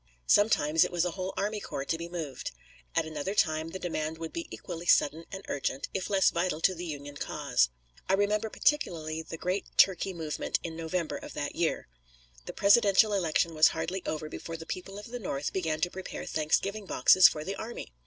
Sometimes it was a whole army corps to be moved. At another time the demand would be equally sudden and urgent, if less vital to the Union cause. I remember particularly the great turkey movement in November of that year. The presidential election was hardly over before the people of the North began to prepare Thanksgiving boxes for the army.